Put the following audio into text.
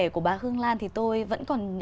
của bà hương lan thì tôi vẫn còn